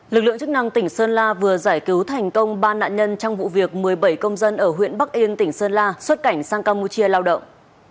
lực lượng chức năng tỉnh sơn la vừa giải cứu thành công ba nạn nhân trong vụ việc một mươi bảy công dân ở huyện bắc yên tỉnh sơn la xuất cảnh sang campuchia lao động